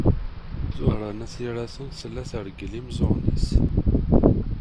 Ẓuhṛa n At Yiraten tella treggel imeẓẓuɣen-nnes.